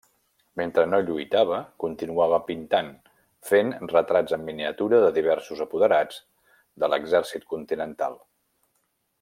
Mentre no lluitava, continuava pintant, fent retrats en miniatura de diversos apoderats de l'Exèrcit Continental.